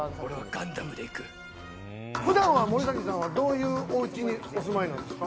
普段は森崎さんはどういうお家にお住まいなんですか？